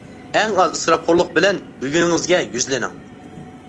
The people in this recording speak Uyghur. ئەڭ ئاز ئىسراپخورلۇق بىلەن بۈگۈنىڭىزگە يۈزلىنىڭ.